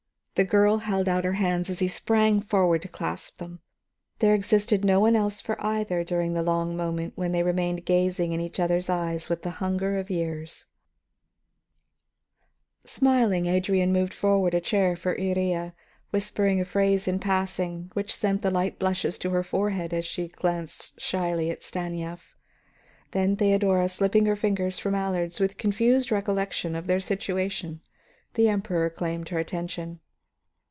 The girl held out her hands as he sprang forward to clasp them; there existed no one else for either during the long moment when they remained gazing in each other's eyes with the hunger of years. [Illustration: There existed no one else for either.] Smiling, Adrian moved forward a chair for Iría, whispering a phrase in passing which sent the light blushes to her forehead as she glanced shyly at Stanief. Then, Theodora slipping her fingers from Allard's with confused recollection of their situation, the Emperor claimed her attention.